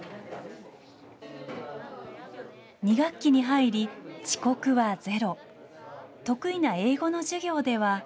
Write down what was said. ２学期に入り、遅刻はゼロ、得意な英語の授業では。